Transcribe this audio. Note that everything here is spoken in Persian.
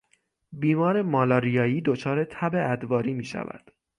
بیمار مالاریایی دچار تب ادواری میشود.